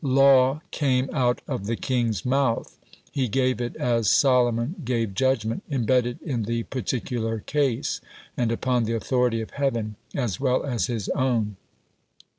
Law "came out of the king's mouth"; he gave it as Solomon gave judgment embedded in the particular case, and upon the authority of Heaven as well as his own.